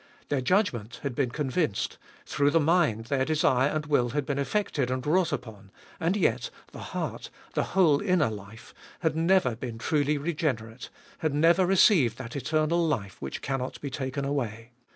Their judgment had been convinced, through the mind their desire and will had been affected and wrought upon ; and yet, the heart, the whole inner life, had never been truly regenerate, had never received that eternal life, which cannot be taken away.